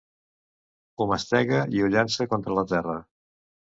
Ho mastega i ho llança contra la terra.